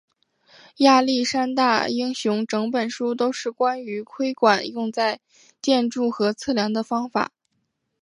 亚历山大英雄整本书都是关于窥管用在建筑和测量的方法。